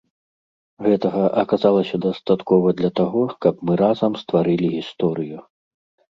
Гэтага аказалася дастаткова для таго, каб мы разам стварылі гісторыю.